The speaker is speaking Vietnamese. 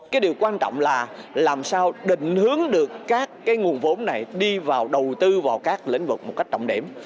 cái điều quan trọng là làm sao định hướng được các nguồn vốn này đi vào đầu tư vào các lĩnh vực một cách trọng điểm